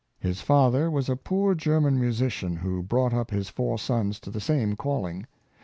His father was a poor Ger man musician, who brought up his four sons to the same calling.